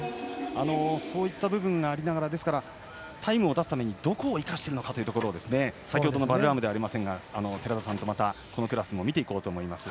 そういった部分がありながら、タイムを出すためにどこを生かしているのかというところを先ほどのバルラームではありませんが寺田さんと、またこのクラスも見ていこうと思います。